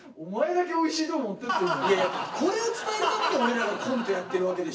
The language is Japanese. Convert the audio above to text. だってこれを伝えるために俺らがコントやってるわけでしょ？